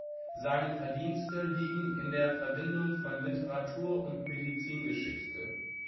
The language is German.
Seine Verdienste liegen in der Verbindung von Literatur und Medizingeschichte.